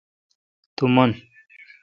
تو من